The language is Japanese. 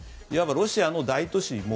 いわばロシアの大都市